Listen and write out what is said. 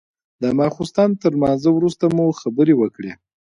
د ماخستن تر لمانځه وروسته مو خبرې وكړې.